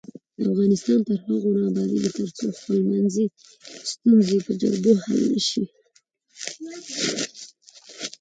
افغانستان تر هغو نه ابادیږي، ترڅو خپلمنځي ستونزې په جرګو حل نشي.